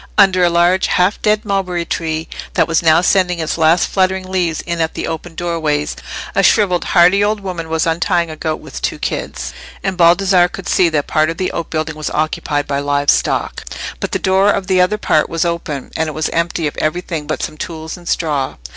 Under a large half dead mulberry tree that was now sending its last fluttering leaves in at the open doorways, a shrivelled, hardy old woman was untying a goat with two kids, and Baldassarre could see that part of the outbuilding was occupied by live stock; but the door of the other part was open, and it was empty of everything but some tools and straw.